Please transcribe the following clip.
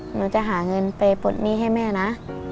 หนูจะหาเงินไปปลดหนี้ให้แม่นะ